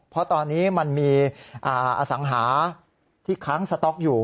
เพราะตอนนี้มันมีอสังหาที่ค้างสต๊อกอยู่